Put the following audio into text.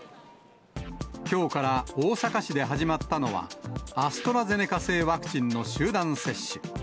きょうから大阪市で始まったのは、アストラゼネカ製ワクチンの集団接種。